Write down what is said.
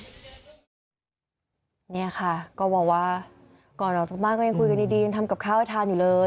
เนี่ยค่ะก็บอกว่าก่อนออกจากบ้านก็ยังคุยกันดียังทำกับข้าวให้ทานอยู่เลย